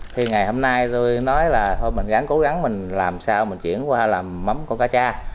thì ngày hôm nay tôi nói là thôi mình gắn cố gắng mình làm sao mình chuyển qua làm mắm của cá cha